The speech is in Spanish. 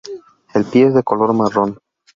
El pie es de color marrón.